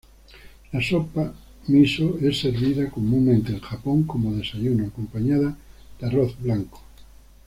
La sopa miso es servida comúnmente en Japón como desayuno, acompañada de arroz blanco.